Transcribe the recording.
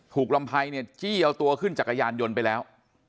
ลำไพรเนี่ยจี้เอาตัวขึ้นจักรยานยนต์ไปแล้ว